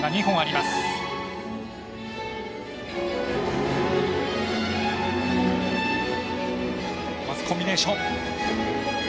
まずコンビネーション。